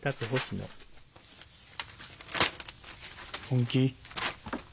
本気？